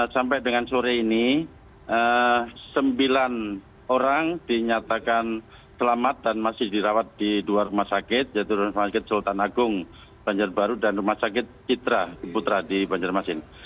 sampai dengan sore ini sembilan orang dinyatakan selamat dan masih dirawat di dua rumah sakit yaitu rumah sakit sultan agung banjarbaru dan rumah sakit citra putra di banjarmasin